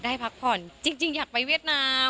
ได้พักผ่อนจริงอยากไปเวียดนาม